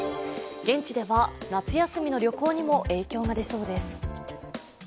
現地では夏休みの旅行にも影響が出そうです。